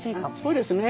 そうですね。